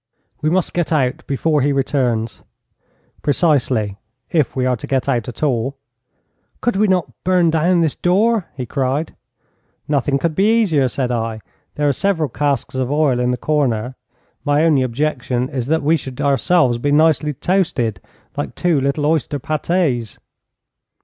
'We must get out before he returns.' 'Precisely, if we are to get out at all.' 'Could we not burn down this door?' he cried. 'Nothing could be easier,' said I. 'There are several casks of oil in the corner. My only objection is that we should ourselves be nicely toasted, like two little oyster pâtés.'